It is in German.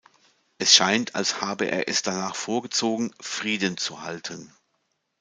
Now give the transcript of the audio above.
Es scheint, als habe er es danach vorgezogen, Frieden zu halten.